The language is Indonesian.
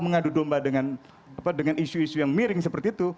mengadu domba dengan isu isu yang miring seperti itu